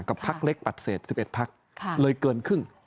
กับพักเล็กปัตเศส๑๑พักเลยเกินครึ่ง